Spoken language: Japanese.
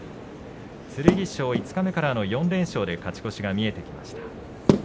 剣翔、五日目からの４連勝で勝ち越しが見えてきました。